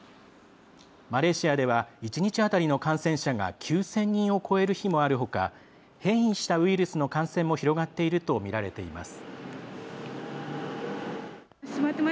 マレーシアでは１日当たりの感染者が９０００人を超える日もあるほか変異したウイルスの感染も広がっているとみられています。